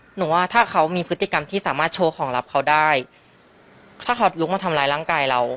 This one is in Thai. หนูว่าถ้าเขามีพฤติกรรมที่สามารถโชว์ของลับเขาได้ถ้าเขาลุกมาทำร้ายร่างกายเรา